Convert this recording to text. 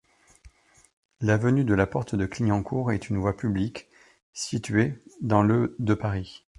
L'avenue de la Porte-de-Clignancourt est une voie publique située dans le de Paris.